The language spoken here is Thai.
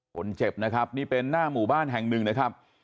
คนเจ็บนะครับนี่เป็นหน้าหมู่บ้านแห่งหนึ่งนะครับ